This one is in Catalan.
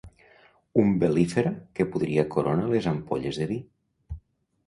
Umbel·lífera que podria corona les ampolles de vi.